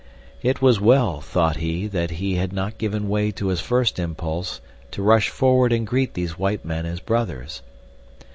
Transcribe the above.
It was well, thought he, that he had not given way to his first impulse to rush forward and greet these white men as brothers.